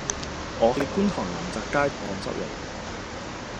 我喺觀塘臨澤街盪失路